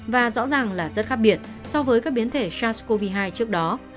và rõ ràng là rất khác biệt so với các biến thể sars cov hai trước đó